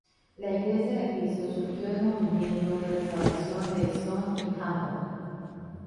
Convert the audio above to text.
La Iglesia de Cristo surgió del Movimiento de Restauración de Stone y Campbell.